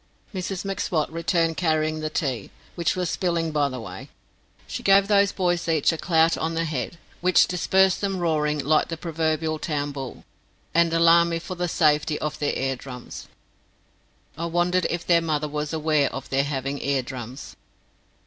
Mrs M'Swat returned carrying the tea, which was spilling by the way. She gave those boys each a clout on the head which dispersed them roaring like the proverbial town bull, and alarmed me for the safety of their ear drums. I wondered if their mother was aware of their having ear drums.